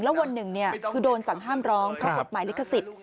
แล้ววันหนึ่งคือโดนสั่งห้ามร้องเพราะกฎหมายลิขสิทธิ์